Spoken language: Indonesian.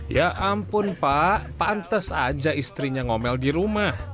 ya ampun pak pantes aja istrinya ngomel di rumah